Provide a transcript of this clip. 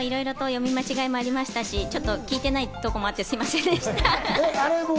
読み間違えもありましたし、聞いてないところもあって、すみませんでした。